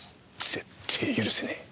絶対ぇ許せねぇ！